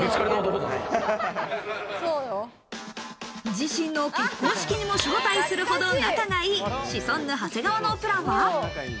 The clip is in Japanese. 自身の結婚式にも招待するほど仲がいい、シソンヌ・長谷川のプランは。